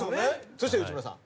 そして内村さん。